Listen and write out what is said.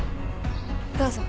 どうぞ。